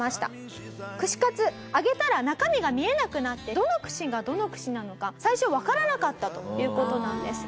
串かつ揚げたら中身が見えなくなってどの串がどの串なのか最初わからなかったという事なんです。